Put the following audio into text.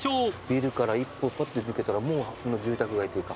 ビルから一歩抜けたらもう住宅街というか。